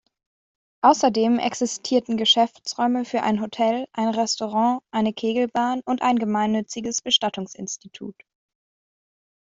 Außerdem existierten Geschäftsräume für ein Hotel, ein Restaurant, eine Kegelbahn und ein gemeinnütziges Bestattungsinstitut.